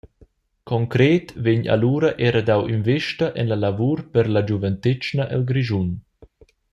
Concret vegn allura era dau investa en la lavur per la giuventetgna el Grischun.